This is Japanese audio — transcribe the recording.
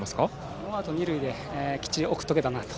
ノーアウト二塁できっちり送っておけたなと。